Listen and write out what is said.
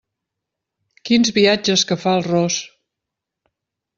Quins viatges que fa el ros!